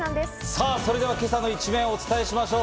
さぁ、それでは今朝の一面、お伝えしましょう。